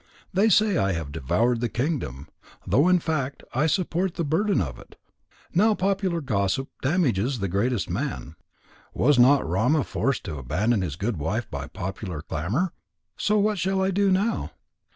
They say I have devoured the kingdom, though in fact I support the burden of it. Now popular gossip damages the greatest man. Was not Rama forced to abandon his good wife by popular clamour? So what shall I do now?"